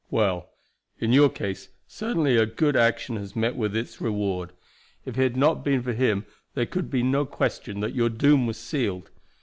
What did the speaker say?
Well, in your case certainly a good action has met with its reward; if it had not been for him there could be no question that your doom was sealed.